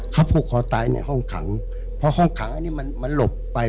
เขาผูกคอตายในห้องขังเพราะห้องขังอันนี้มันมันหลบไป